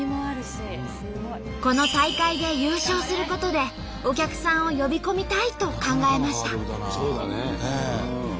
この大会で優勝することでお客さんを呼び込みたいと考えました。